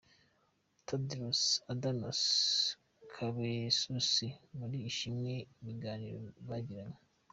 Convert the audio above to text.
Tedirosi Adanom Gebeyesusi wari ushimye ibiganiro bagiranye.